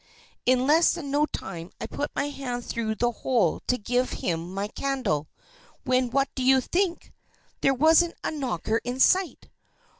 In less than no time I put my hand through the hole to give him my candle, when, what do you think? there wasn't a Knocker in sight!